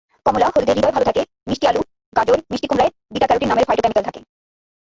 কমলা-হলুদে হৃদয় ভালো থাকেমিষ্টি আলু, গাজর, মিষ্টি কুমড়ায় বিটা ক্যারোটিন নামের ফাইটোকেমিক্যাল থাকে।